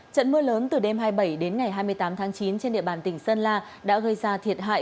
trận mưa lớn từ đêm hai mươi bảy đến ngày hai mươi tám tháng chín trên địa bàn tỉnh sơn la đã gây ra thiệt hại